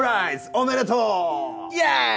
おめでとう！イェイ！